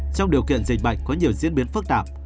trong điều kiện dịch bệnh có nhiều diễn biến phức tạp